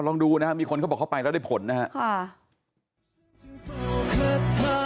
ลองดูนะฮะมีคนเขาบอกเข้าไปแล้วได้ผลนะฮะค่ะ